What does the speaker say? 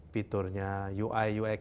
fiturnya ui ux